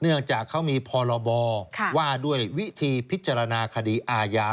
เนื่องจากเขามีพรบว่าด้วยวิธีพิจารณาคดีอาญา